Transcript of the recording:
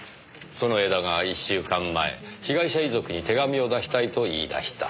その江田が１週間前被害者遺族に手紙を出したいと言い出した。